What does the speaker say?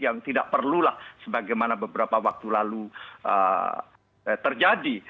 yang tidak perlulah sebagaimana beberapa waktu lalu terjadi